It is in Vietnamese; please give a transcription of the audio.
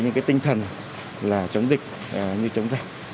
những cái tinh thần là chống dịch như chống dạy